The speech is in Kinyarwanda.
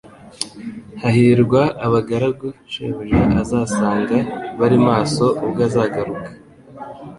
"Hahirwa abagaragu shebuja azasanga bari maso ubwo azagaruka."